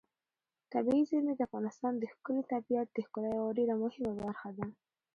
طبیعي زیرمې د افغانستان د ښكلي طبیعت د ښکلا یوه ډېره مهمه برخه ده.